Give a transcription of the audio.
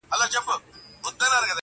له خولې ووتله زرکه ناببره -